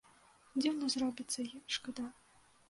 Дзіўна зробіцца й шкода.